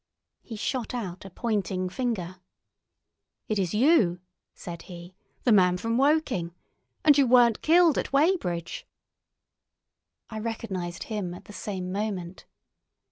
He shot out a pointing finger. "It is you," said he; "the man from Woking. And you weren't killed at Weybridge?" I recognised him at the same moment.